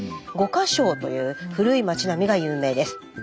五個荘という古い町並みが有名です。